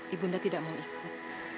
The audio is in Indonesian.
ibu bunda tidak mau ikut